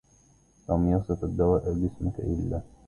لم يصف الدواء جسمك إلا